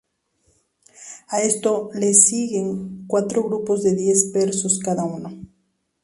A esto le siguen cuatro grupos de diez versos cada uno.